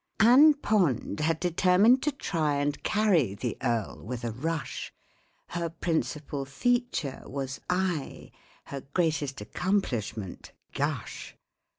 ANN POND had determined to try And carry the Earl with a rush; Her principal feature was eye, Her greatest accomplishment—gush.